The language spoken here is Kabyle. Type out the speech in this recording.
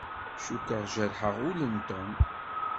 Cukkeɣ jerḥeɣ ul n Tom.